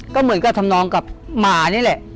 ก็เหมือนกับทำนองกับหมานี่แหละ